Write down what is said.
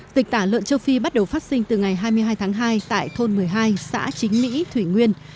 dịch tả lợn châu phi bắt đầu phát sinh từ ngày hai mươi hai tháng hai tại thôn một mươi hai xã chính mỹ thủy nguyên